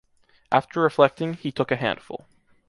After reflecting, he took a handful.